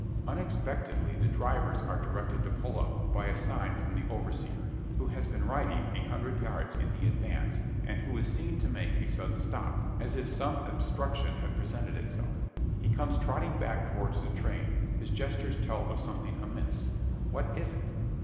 Unexpectedly the drivers are directed to pull up, by a sign from the overseer; who has been riding a hundred yards in the advance, and who is seen to make a sudden stop as if some obstruction had presented itself. He comes trotting back towards the train. His gestures tell of something amiss. What is it?